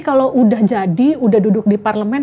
kalau udah jadi udah duduk di parlemen